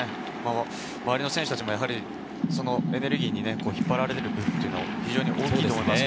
周りの選手たちもそのエネルギーに引っ張られる部分も大きいと思います。